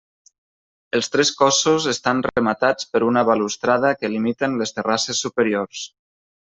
Els tres cossos estan rematats per una balustrada que limiten les terrasses superiors.